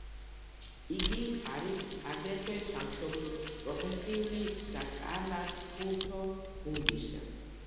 იგი არის აგრეთვე სამშობლო პროფესიული საკალათბურთო გუნდისა.